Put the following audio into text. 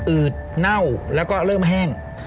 ืดเน่าแล้วก็เริ่มแห้ง